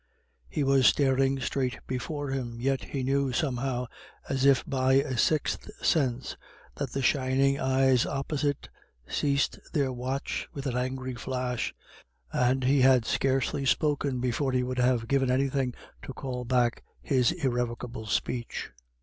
He was staring straight before him, yet he knew somehow, as if by a sixth sense, that the shining eyes opposite ceased their watch with an angry flash; and he had scarcely spoken before he would have given anything to call back his irrevocable speech.